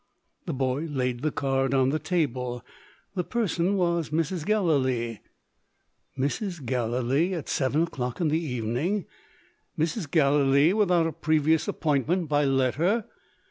The boy laid the card on the table. The person was Mrs. Gallilee. Mrs. Gallilee, at seven o'clock in the evening! Mrs. Gallilee, without a previous appointment by letter!